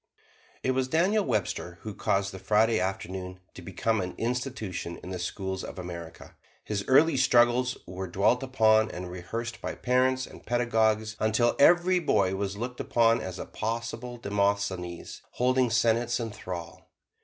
It was Daniel Webster who caused the Friday Afternoon to become an institution in the schools of America. His early struggles were dwelt upon and rehearsed by parents and pedagogues until every boy was looked upon as a possible Demosthenes holding senates in thrall.